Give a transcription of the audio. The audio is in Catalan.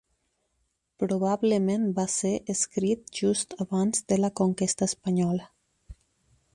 Probablement va ser escrit just abans de la conquesta espanyola.